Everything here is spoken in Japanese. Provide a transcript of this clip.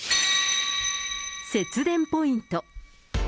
節電ポイント。